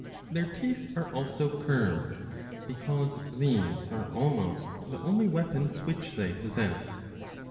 ^ Their teeth are also curved, because these are almost the only weapons which they possess.